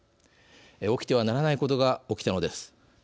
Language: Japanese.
起きてはならないことが起きたのです。